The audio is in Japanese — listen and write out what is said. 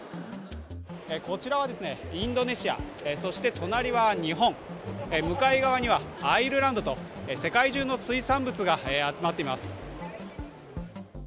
こちらはインドネシア、そして隣は日本向かい側にはアイルランドと世界中の水産物が集まっています。